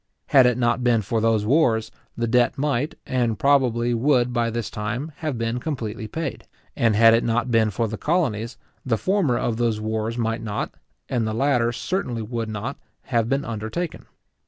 Had it not been for those wars, that debt might, and probably would by this time, have been completely paid; and had it not been for the colonies, the former of those wars might not, and the latter certainly would not, have been undertaken.